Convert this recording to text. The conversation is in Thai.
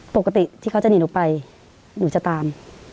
ปกติที่เขาจะหนีหนูไปหนูจะตาม